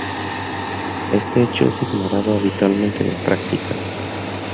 Este hecho es ignorado habitualmente en la práctica.